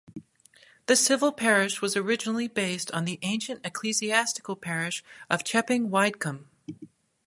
The civil parish was originally based on the ancient ecclesiastical parish of Chepping Wycombe.